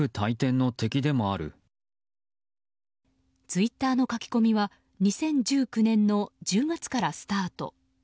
ツイッターの書き込みは２０１９年の１０月からスタート。